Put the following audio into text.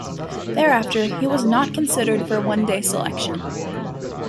Thereafter, he was not considered for one-day selection.